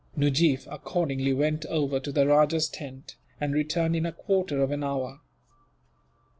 Nujeef accordingly went over to the rajah's tent, and returned in a quarter of an hour.